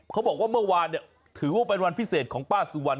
เขาบอกว่าเมื่อวานเนี่ยถือว่าเป็นวันพิเศษของป้าสุวรรณ